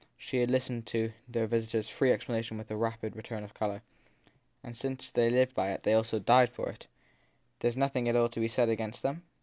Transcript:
She had listened to their visitor s free explanation with a rapid return of colour. And since if they lived by it they also died for it There s nothing at all to be said against them